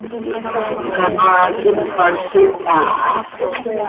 Canoaa quipac cöquiha ha.